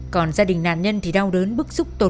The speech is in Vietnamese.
còn gia đình nạn nhân thì đau đớn bức xúc của bà lan